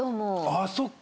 ああそっか！